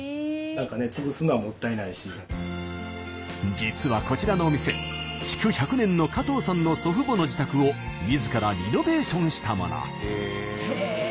実はこちらのお店築１００年の加藤さんの祖父母の自宅をみずからリノベーションしたもの。